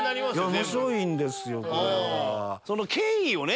面白いんですよこれは。